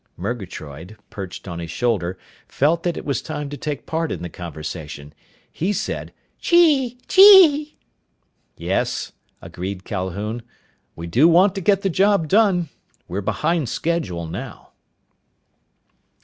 Murgatroyd, perched on his shoulder, felt that it was time to take part in the conversation. He said, "Chee chee!" "Yes," agreed Calhoun. "We do want to get the job done. We're behind schedule now."